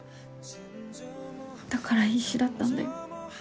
だから必死だったんだよ。